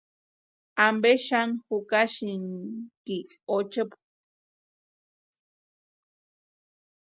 ¿Ampe xani jukasïnki ochepu?